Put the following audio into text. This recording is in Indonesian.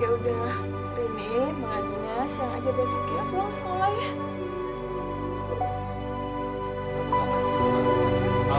ya udah rumit mengajinya saya aja besok ya pulang sekolah ya